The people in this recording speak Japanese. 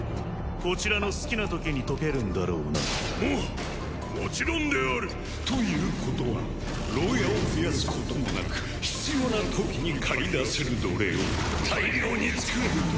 こちらの好きな時に解けるんだろうな？ももちろんである！ということは牢屋を増やすこともなく必要な時に駆り出せる奴隷を大量に作れるということか。